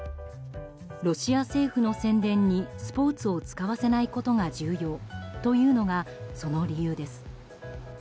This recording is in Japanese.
ロシア政府の宣伝にスポーツを使わせないことが重要というのが、その理由です。